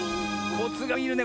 コツがいるね